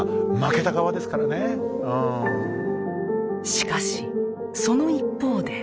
しかしその一方で。